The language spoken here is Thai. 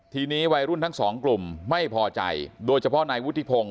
ทีนี้วัยรุ่นทั้งสองกลุ่มไม่พอใจโดยเฉพาะนายวุฒิพงศ